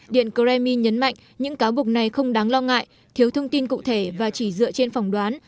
điện kremlin nhấn mạnh những cáo buộc này không đáng lo ngại thiếu thông tin cụ thể và chỉ dựa trên phòng đoán